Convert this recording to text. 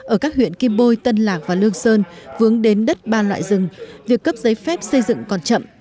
ở các huyện kim bôi tân lạc và lương sơn vướng đến đất ba loại rừng việc cấp giấy phép xây dựng còn chậm